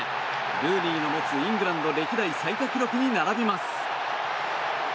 ルーニーが持つイングランド歴代最多記録に並びます。